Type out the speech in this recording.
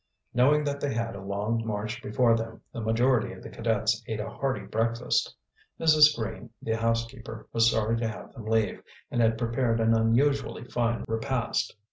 Knowing that they had a long march before them, the majority of the cadets ate a hearty breakfast. Mrs. Green, the housekeeper, was sorry to have them leave, and had prepared an unusually fine repast.